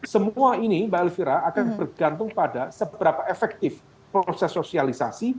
semua ini mbak elvira akan bergantung pada seberapa efektif proses sosialisasi